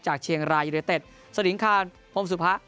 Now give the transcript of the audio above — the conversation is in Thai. จากเชียงรายิริเตศสดิงคาพรมสุภะ